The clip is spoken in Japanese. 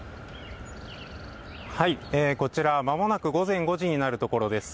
こちらは間もなく午前５時になるところです。